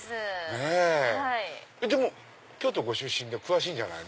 でも京都ご出身で詳しいんじゃないの？